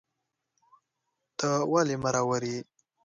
ته ولي مرور یې